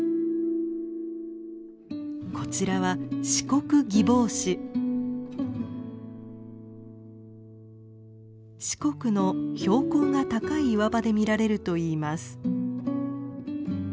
こちらは四国の標高が高い岩場で見られるといいます。